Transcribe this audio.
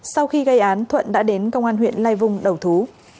sau khi gây án thuận đã đến công an huyện lai vung đầu thú